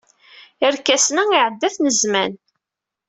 Irkasen-a iɛedda-ten zzman.